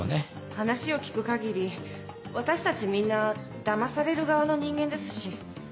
話を聞く限り私たちみんなだまされる側の人間ですし。